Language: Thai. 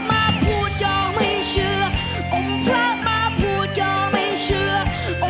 มาพูดก็ไม่เชื่อองค์พระมาพูดก็ไม่เชื่อ